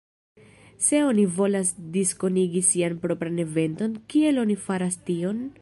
Se oni volas diskonigi sian propran eventon, kiel oni faras tion?